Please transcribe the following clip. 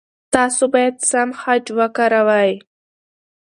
تاسو باید سم خج وکاروئ.